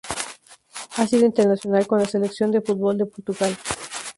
Ha sido internacional con la selección de fútbol de Portugal.